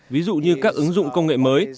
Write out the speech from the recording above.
ví dụ như các ứng dụng công nghệ mới